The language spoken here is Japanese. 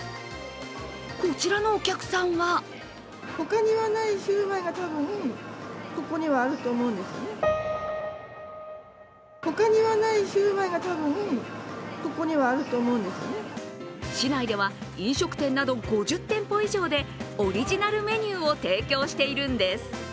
こちらのお客さんは市内では飲食店など５０店舗以上で、オリジナルメニューを提供しているんです。